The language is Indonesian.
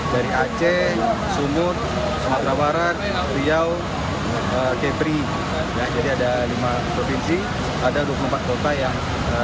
dari aceh sumur sumatera barat riau kepri jadi ada lima provinsi ada dua puluh empat kota yang